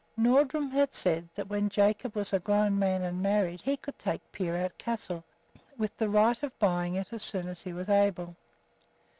Nordrum had said that when Jacob was a grown man and married he could take Peerout Castle, with the right of buying it as soon as he was able.